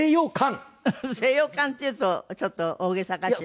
「西洋館」って言うとちょっと大げさかしら。